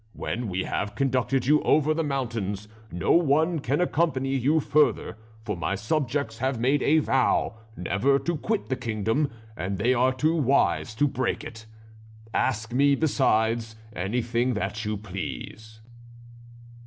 When we have conducted you over the mountains no one can accompany you further, for my subjects have made a vow never to quit the kingdom, and they are too wise to break it. Ask me besides anything that you please."